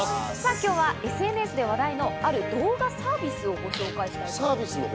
今日はＳＮＳで話題の、ある動画サービスをご紹介します。